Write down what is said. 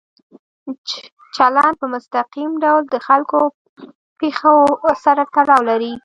چلند په مستقیم ډول د خلکو او پېښو سره تړاو لري.